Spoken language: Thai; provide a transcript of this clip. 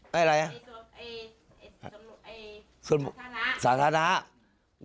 เฮ้ยถนนส่วนบุคคลสาธารณะสาธารณะ